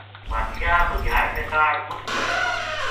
بادشاہ بھگیاڑ کے کاہڈ مچ بھَجیو